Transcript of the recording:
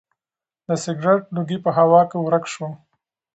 د سګرټ لوګی په هوا کې ورک شو.